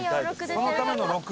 そのための「６」。